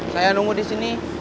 saya nunggu di sini